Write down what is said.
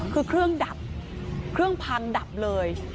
คือเครื่องดับเครื่องพังดับเลย